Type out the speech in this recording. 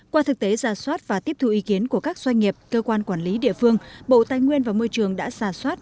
qua thực tế giả soát và tiếp thu ý kiến của các doanh nghiệp cơ quan quản lý địa phương bộ tài nguyên và môi trường đã giả soát